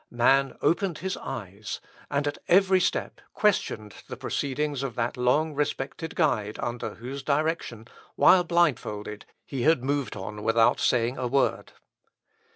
Man opened his eyes, and at every step questioned the proceedings of that long respected guide under whose direction, while blindfolded, he had moved on without saying a word.